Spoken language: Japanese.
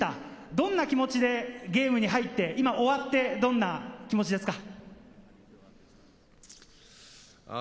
どんな気持ちでゲームに入って、終わって、どんな気持ちですか？